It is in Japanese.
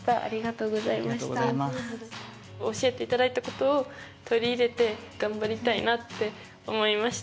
教えていただいたことを取り入れて頑張りたいなって思いました。